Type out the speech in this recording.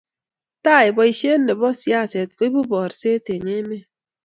tai, boishet nebo siaset koibu borset eng emet